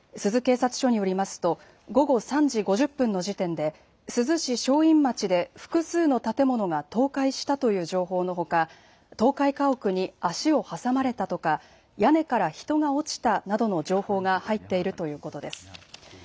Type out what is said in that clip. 珠洲警察署によりますと午後３時５０分の時点で珠洲市正院町で複数の建物が倒壊したという情報のほか倒壊家屋に足を挟まれたとか屋根から人が落ちたなどの情報が入っているということです。